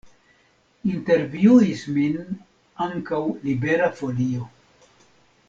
Intervjuis min ankaŭ Libera Folio.